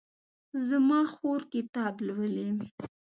زما خور کتاب لولي